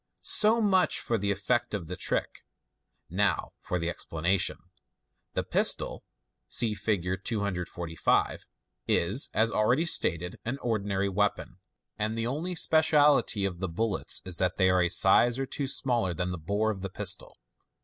So much for the effect of the trick 5 now for the explanation. The pistol (see Fig. 245) is, as already stated, an ordinary weapon, and the only speciality of the bullets is that they are a size or two smaller than the bore of the pistol.